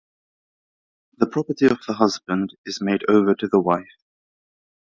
The property of the husband is made over to the wife.